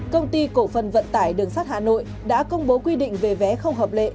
công ty cổ phần vận tải đường sắt hà nội đã công bố quy định về vé không hợp lệ